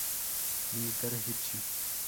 Militar egipcio.